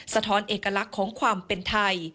สะท้อนเอกลักษณ์ของความเป็นไทย